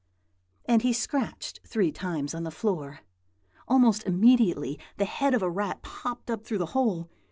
And he scratched three times on the floor. Almost immediately the head of a rat popped up through the hole.